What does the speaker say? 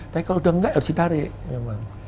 tapi kalau sudah tidak harus ditarik memang